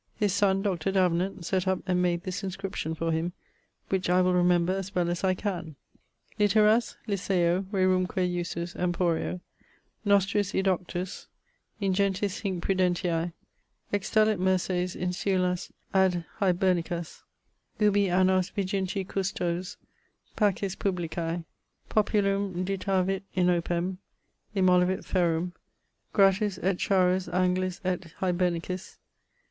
His son, Dr. Davenant, sett up and made this inscription for him, which I will remember as well as I can: Literas, lyceo, rerumque usus, emporio, Nostris edoctus, ingentis hinc prudentiae Extulit merces insulas ad Hibernicas; Ubi annos viginti custos pacis publicae Populum ditavit inopem, emollivit ferum, Gratus et charus Anglis et Hibernicis.